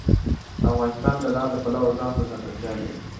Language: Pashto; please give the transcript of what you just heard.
افغانستان د لعل د پلوه ځانته ځانګړتیا لري.